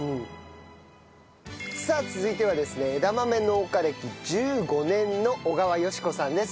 さあ続いてはですね枝豆農家歴１５年の小川佳子さんです。